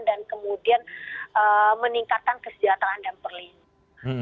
dan kemudian meningkatkan kesejahteraan dan perlindungan